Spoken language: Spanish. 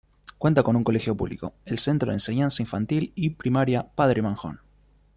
Cuenta con un colegio público, el Centro de Enseñanza Infantil y Primaria Padre Manjón.